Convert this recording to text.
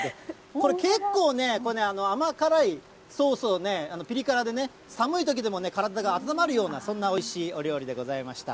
これ、結構ね、甘辛いソースをピリ辛でね、寒いときでも体が温まるような、そんなおいしいお料理でございました。